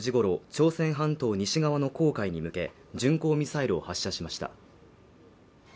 朝鮮半島西側の黄海に向け巡航ミサイルを発射しました